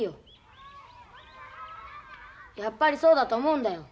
やっぱりそうだと思うんだよ。